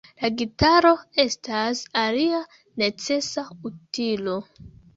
La gitaro estas alia necesa utilo.